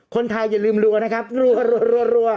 คนไทยอย่าลืมรัวนะครับรัว